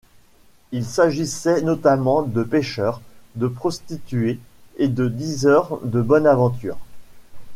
Il s’agissait notamment de pêcheurs, de prostituées et de diseurs de bonne aventure.